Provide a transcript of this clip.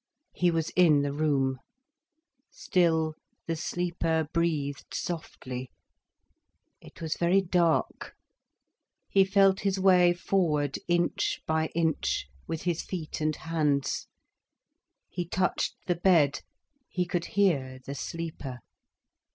He was in the room. Still the sleeper breathed softly. It was very dark. He felt his way forward inch by inch, with his feet and hands. He touched the bed, he could hear the sleeper.